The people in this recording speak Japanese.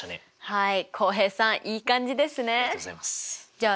はい。